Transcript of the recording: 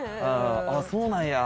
あぁそうなんや。